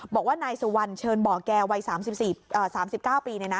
บอกว่านายสุวรรณเชิญบ่อแกวัยสามสิบสี่เอ่อสามสิบเก้าปีเลยนะ